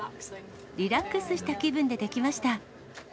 リラックスした気分でできました。